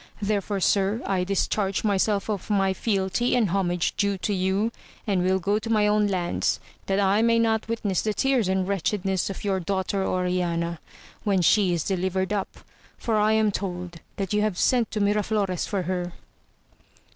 Therefore sir, I discharge myself of my fealty and homage due to you, and will go to my own lands, that I may not witness the tears and wretchedness of your daughter Oriana, when she is deUvered up, for I am told that you have sent to Miraflores for her.